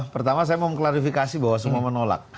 pertama saya mau mengklarifikasi bahwa semua menolak